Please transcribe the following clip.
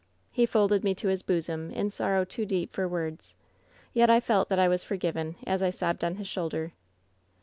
"He folded me to his bosom in sorrow too deep for words, yet I felt that I was forgiven as I sobbed on his shoulder.